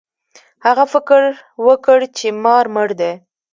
هغه فکر وکړ چې مار مړ دی.